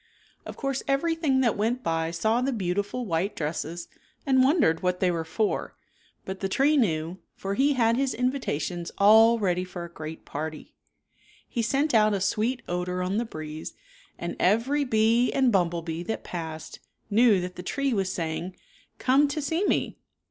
Of course everything that went by saw the beau tiful white dresses and wondered what they were for, but the tree knew, for he had his invitations all ready for a great party. He sent out a sweet odor on the breeze and every bee and bumble bee that passed knew that the tree was saying, " Come to see me.